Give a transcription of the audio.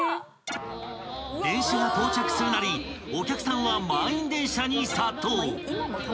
［電車が到着するなりお客さんは満員電車に殺到］